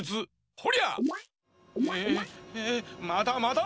ほりゃ！へまだまだ！